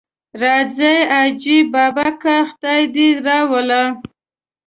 راځه حاجي بابکه خدای دې راوله.